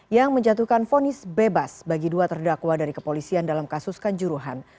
yang menjatuhkan fonis bebas bagi dua terdakwa dari kepolisian dalam kasus kanjuruhan